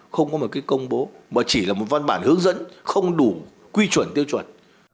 không có một cái công bố mà chỉ là một văn bản hướng dẫn không đủ quy chuẩn tiêu chuẩn